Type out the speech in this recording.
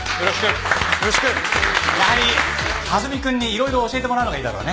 やはり蓮見くんにいろいろ教えてもらうのがいいだろうね。